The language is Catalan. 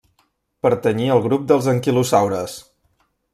Pertanyia al grup dels anquilosaures.